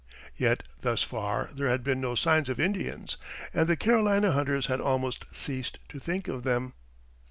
Yet thus far there had been no signs of Indians, and the Carolina hunters had almost ceased to think of them.